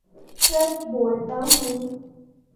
سچ بولتا ہوں